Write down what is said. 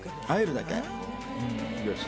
あえるだけで。